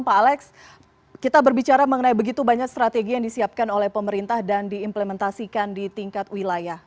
pak alex kita berbicara mengenai begitu banyak strategi yang disiapkan oleh pemerintah dan diimplementasikan di tingkat wilayah